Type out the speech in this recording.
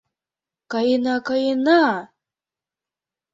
— Каена, каена!